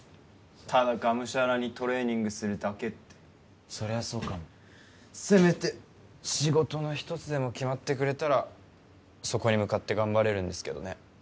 ただがむしゃらにトレーニングするだけってそれはそうかもせめて仕事の１つでも決まってくれたらそこに向かって頑張れるんですけどね・